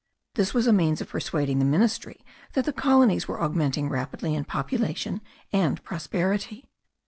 This was a means of persuading the ministry that the colonies were augmenting rapidly in population and prosperity.